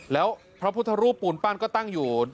แล้วพระพุทธรูปปูนปั้นก็ตั้งอยู่